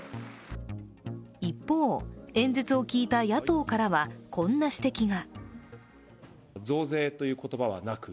一方、演説を聴いた野党からはこんな指摘が。